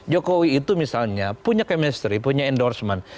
jokowi itu misalnya punya chemistry punya endorsement